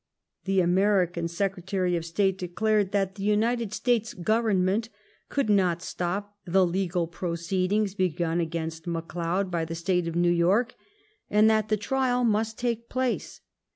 The American Secretary of State declared that the United States Government could not stop the legal proceedings begun against McLeod by the State of New York, and that the trial must take place.